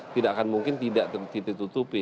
tidak akan mungkin tidak ditutupi